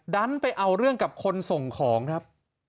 ดันไปเอาเรื่องกับคนส่งของครับ